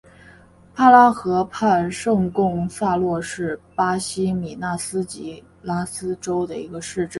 帕拉河畔圣贡萨洛是巴西米纳斯吉拉斯州的一个市镇。